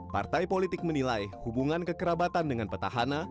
partai politik menilai hubungan kekerabatan dengan petahana